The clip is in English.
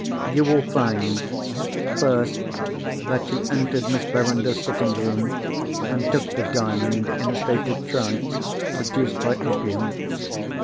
You will find:—First, that you entered Miss Verinder's sitting room and took the Diamond, in a state of trance, produced by opium.